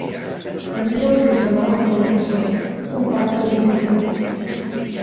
També hi ha un risc de mala comunicació que comporta ambigüitat.